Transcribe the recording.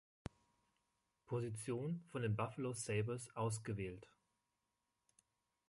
Position von den Buffalo Sabres ausgewählt.